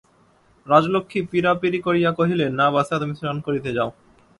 রাজলক্ষ্মী পীড়াপীড়ি করিয়া কহিলেন, না বাছা, তুমি স্নান করিতে যাও।